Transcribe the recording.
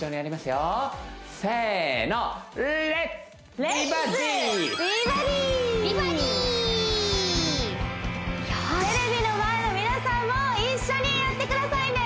よせのテレビの前の皆さんも一緒にやってくださいね！